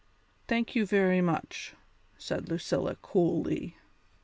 "Thank you very much," said Lucilla coolly.